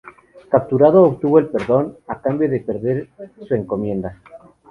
Capturado, obtuvo el perdón a cambio de perder su encomienda.